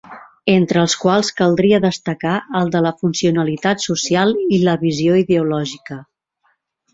...entre els quals caldria destacar el de la funcionalitat social i la visió ideològica.